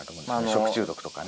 食中毒とかね。